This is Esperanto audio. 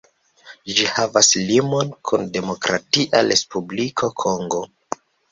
Ĝi havas limon kun Demokratia Respubliko Kongo.